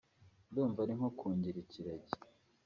ndumva ari nko kungira ikiragi